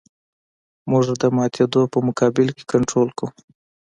موږ د ماتېدو په مقابل کې کنټرول کوو